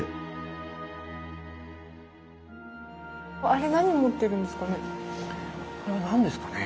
あれ何を持ってるんですかね？